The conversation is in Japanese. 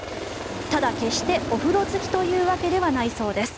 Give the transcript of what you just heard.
ただ、決してお風呂好きというわけではないそうです。